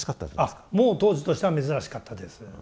もう当時としては珍しかったです。